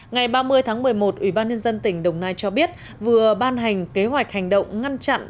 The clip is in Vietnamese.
ngày ba mươi tháng một mươi một ủy ban nhân dân tỉnh đồng nai cho biết vừa ban hành kế hoạch hành động ngăn chặn